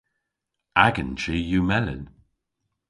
Agan chi yw melyn.